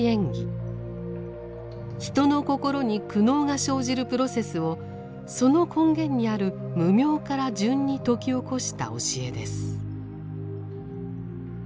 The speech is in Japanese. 人の心に苦悩が生じるプロセスをその根源にある「無明」から順に説き起こした教えです。